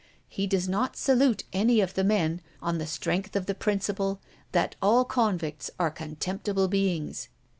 He does not salute any of the men on the strength of the principle that all convicts are contemptible beings.